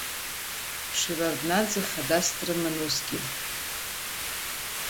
Шеварднаӡе хадас дрыман усгьы.